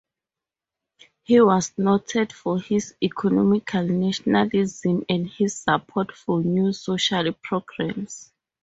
He was noted for his economic nationalism and his support for new social programs.